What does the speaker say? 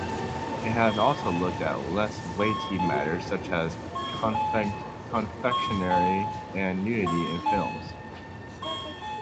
It has also looked at less-weighty matters such as confectionery and nudity in films.